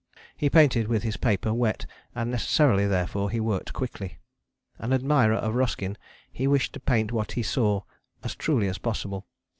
He painted with his paper wet, and necessarily therefore, he worked quickly. An admirer of Ruskin, he wished to paint what he saw as truly as possible.